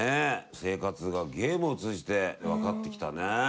生活がゲームを通じて分かってきたね。